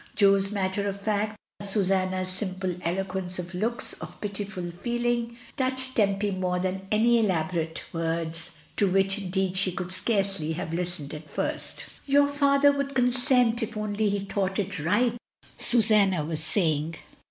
Jo's matter of fact, Susanna's simple eloquence of looks, of pitiful feeling, touched Tempy more than any elaborate words, to which indeed she could scarcely have listened at first "Your father would consent if only he thought it right," Susanna was saying.